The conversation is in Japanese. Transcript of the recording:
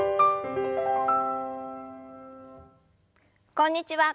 こんにちは。